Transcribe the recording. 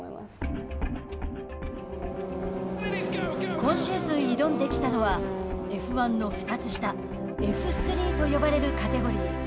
今シーズン挑んできたのはＦ１の２つ下Ｆ３と呼ばれるカテゴリー。